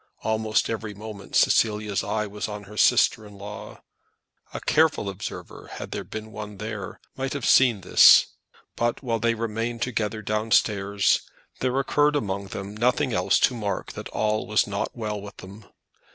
Almost every moment Cecilia's eye was on her sister in law. A careful observer, had there been one there, might have seen this; but, while they remained together downstairs, there occurred among them nothing else to mark that all was not well with them.